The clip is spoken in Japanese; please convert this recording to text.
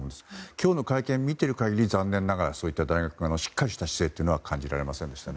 今日の会見を見ている限り残念ながら、そういった大学側のしっかりした姿勢は感じられませんでしたね。